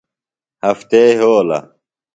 ہفتے یھولہ